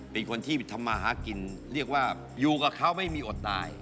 เป็นคนที่ทำมาหากินเรียกว่าอยู่กับเขาไม่มีอดตาย